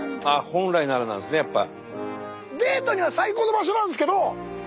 「本来なら」なんですねやっぱ。